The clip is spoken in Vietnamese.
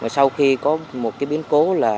sau khi có một biến cố là